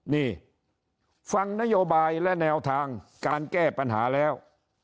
นี่ฟังนโยบายและแนวทางการแก้ปัญหาแล้ว